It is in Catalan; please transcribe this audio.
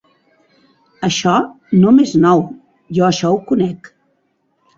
Això no m'és nou, jo això ho conec